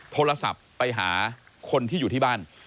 โทรศัพท์ไปหาคนที่อยู่ที่บ้าน